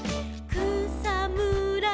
「くさむら